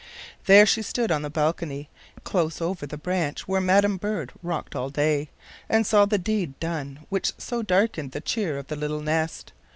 There she stood on the balcony, close over the branch where madam bird rocked all day, and saw the deed done which so darkened the cheer of the little nest.